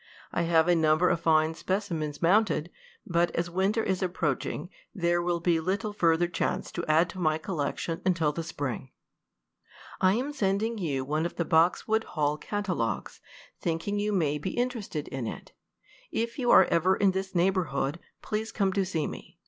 I have a number of fine specimens mounted, but as winter is approaching there will be little further chance to add to my collection until the spring. "I am sending you one of the Boxwood Hall catalogues, thinking you may be interested in it. If you are ever in this neighborhood, please come to see me.